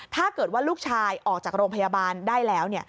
ถ้าเกิดว่าลูกชายออกจากโรงพยาบาลได้แล้ว